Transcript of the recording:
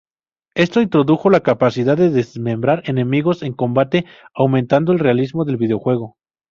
Esto introdujo la capacidad de desmembrar enemigos en combate, aumentando el realismo del videojuego.